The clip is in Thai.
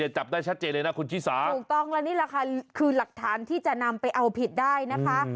จับได้ชัดเจนเลยนะคุณชิสาถูกต้องและนี่แหละค่ะคือหลักฐานที่จะนำไปเอาผิดได้นะคะ